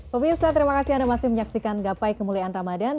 pemirsa terima kasih anda masih menyaksikan gapai kemuliaan ramadan